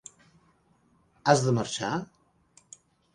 Has de marxar?